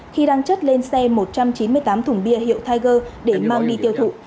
khi đang chất lên xe một trăm chín mươi tám thùng bia hiệu tháiger để mang đi tiêu thụ